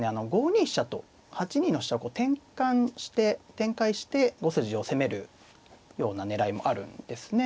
５二飛車と８二の飛車を転換して転回して５筋を攻めるような狙いもあるんですね。